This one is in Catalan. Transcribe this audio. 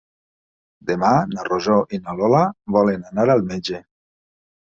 Demà na Rosó i na Lola volen anar al metge.